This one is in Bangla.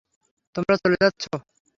তোমরা চলে যাচ্ছো?